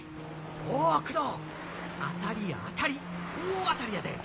お工藤当たりや当たり大当たりやで！